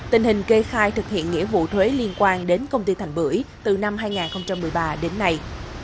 tình hình kê khai thực hiện nghĩa vụ thuế liên quan đến công ty thành bưởi từ năm hai nghìn một mươi ba đến nay